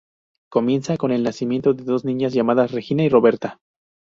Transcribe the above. Comienza con el nacimiento de dos niñas llamadas Regina y Roberta.